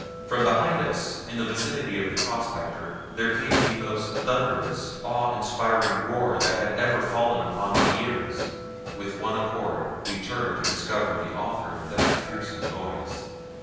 From behind us in the vicinity of the prospector there came the most thunderous, awe inspiring roar that ever had fallen upon my ears. With one accord we turned to discover the author of that fearsome noise.